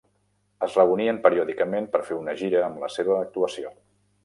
Es reunien periòdicament per fer una gira amb la seva actuació.